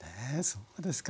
そうですか。